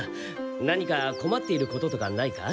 何か困っていることとかないか？